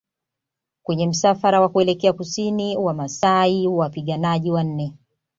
Kwenye msafara wa kuelekea Kusini Wamasai Wapiganaji wanne